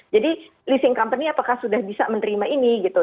jadi leasing company apakah sudah bisa menerima ini gitu